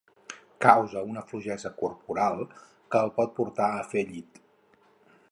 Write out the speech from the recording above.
Causa una fluixesa corporal que el pot portar a fer llit.